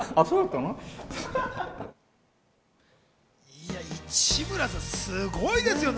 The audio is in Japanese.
いや、市村さんすごいですよね。